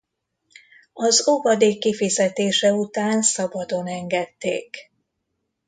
Az óvadék kifizetése után szabadon engedték.